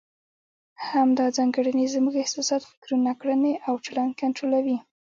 همدا ځانګړنې زموږ احساسات، فکرونه، کړنې او چلند کنټرولوي.